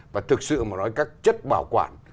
và thực sự mà nói các chất bảo quản